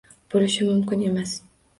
Bo`lishi mumkin emas